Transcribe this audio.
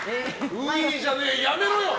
ういじゃねえ、やめろよ。